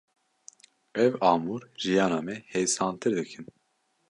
Ev amûr jiyana me hêsantir dikin.